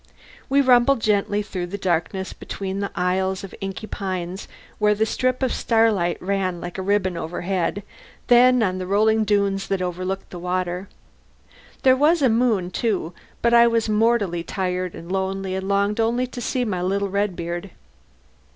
We rumbled gently through the darkness, between aisles of inky pines where the strip of starlight ran like a ribbon overhead, then on the rolling dunes that overlook the water. There was a moon, too, but I was mortally tired and lonely and longed only to see my little Redbeard.